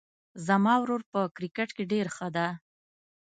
زما ورور په کرکټ کې ډېر ښه ده